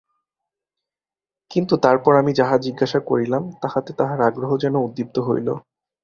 কিন্তু তারপর আমি যাহা জিজ্ঞাসা করিলাম, তাহাতে তাঁহার আগ্রহ যেন উদ্দীপ্ত হইল।